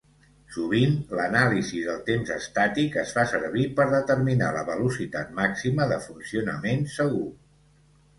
Sovint, l'anàlisi del temps estàtic es fa servir per determinar la velocitat màxima de funcionament segur.